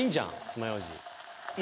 つまようじいや